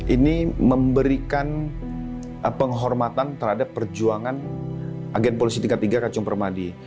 ini memberikan penghormatan terhadap perjuangan agen polisi tiga puluh tiga kacung permadi